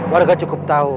warga cukup tahu